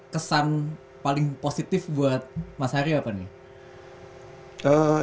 kesan paling positif buat mas hari apa nih